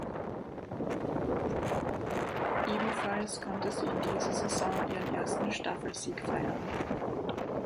Ebenfalls konnte sie in dieser Saison ihren ersten Staffelsieg feiern.